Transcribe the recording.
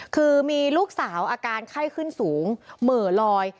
คือมีลูกสาวอาการไข้ขึ้นสูงเหม่อลอย